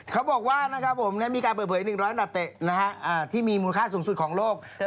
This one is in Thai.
เขาบอกว่านะครับผมมีการเปิดเผย๑๐๐อันดับเตะที่มีมูลค่าสูงสุดของโลก